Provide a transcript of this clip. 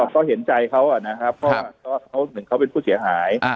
ก็เห็นใจเขานะครับเพราะหนึ่งเขาเป็นผู้เสียหาย